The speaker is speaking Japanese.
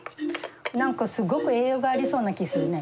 何かすごく栄養がありそうな気ぃするね。